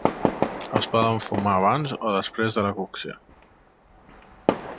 Es poden fumar abans o després de la cocció.